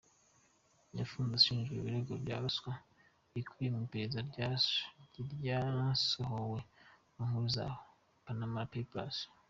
Yafunzwe ashinjwa ibirego bya ruswa bikubiye mu iperereza ryasohowe mu nkuru za Panama Papers.